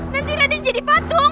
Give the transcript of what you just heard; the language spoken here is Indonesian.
nanti raden jadi patung